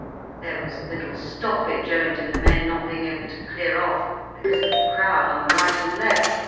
There was a little stoppage owing to the men not being able to clear off because of the crowd on the right and left.